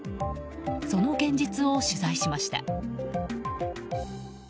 その現実を取材しました。